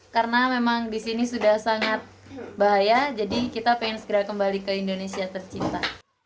karena memang di sini sudah sangat bahaya jadi kita ingin segera kembali ke indonesia tercinta